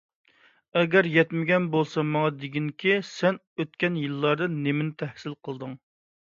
ئەگەر يەتمىگەن بولسا، ماڭا دېگىنكى سەن ئۆتكەن يىللاردا نېمىنى تەھسىل قىلدىڭ؟